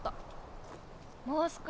もう少し。